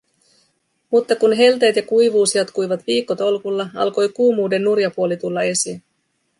Mutta kun helteet ja kuivuus jatkuivat viikkotolkulla, alkoi kuumuuden nurja puoli tulla esiin.